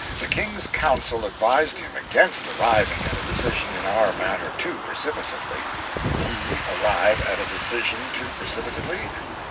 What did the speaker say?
The King's council advised him against arriving at a decision in our matter too precipitately. He arrive at a decision too precipitately!